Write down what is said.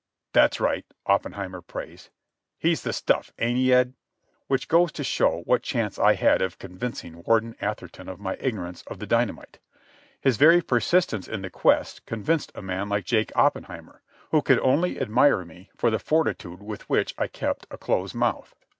"That's right," Oppenheimer praised. "He's the stuff, ain't he, Ed?" Which goes to show what chance I had of convincing Warden Atherton of my ignorance of the dynamite. His very persistence in the quest convinced a man like Jake Oppenheimer, who could only admire me for the fortitude with which I kept a close mouth.